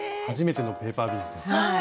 初めてのペーパービーズですね。